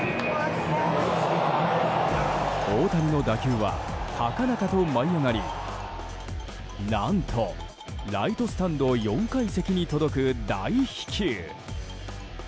大谷の打球は高々と舞い上がり何と、ライトスタンド４階席に届く大飛球。